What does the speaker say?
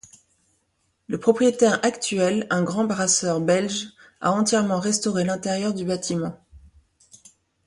Le propriétaire actuel, un grand brasseur belge, a entièrement restauré l'intérieur du bâtiment.